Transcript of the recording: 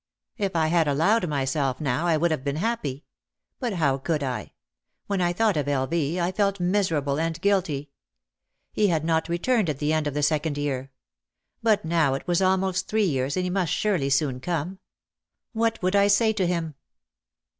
If I had allowed myself now I would have been happy. But how could I ? When I thought of L. V. I felt miserable and guilty. He had not returned at the end of the second year. But now it was almost three years and he must surely soon come. What would I say to him?